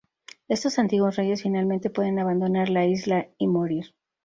Estos antiguos reyes finalmente pueden abandonar la isla y morir.